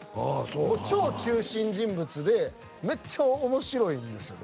もう超中心人物でめっちゃ面白いんですよね